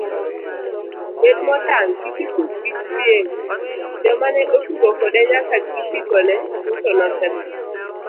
Bed motang' kik itug gi chieng' joma ne otugo kode nyaka gitipone, duto nosetho.